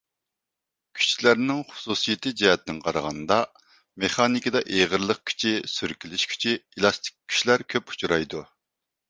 كۈچلەرنىڭ خۇسۇسىيىتى جەھەتتىن قارىغاندا، مېخانىكىدا ئېغىرلىق كۈچى، سۈركىلىش كۈچى، ئېلاستىك كۈچلەر كۆپ ئۇچرايدۇ.